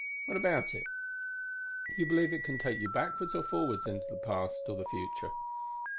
What about it?' "'You believe it can take you backwards or forwards into the past or the future?'